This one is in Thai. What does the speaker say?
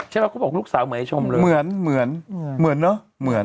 เขาบอกลูกสาวเหมือนให้ชมเลยเหมือนเหมือนเหมือนเนอะเหมือน